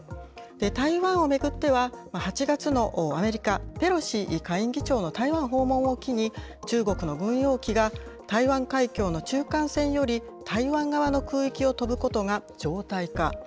台湾を巡っては、８月のアメリカ、ペロシ下院議長の台湾訪問を機に、中国の軍用機が台湾海峡の中間線より台湾側の空域を飛ぶことが常態化。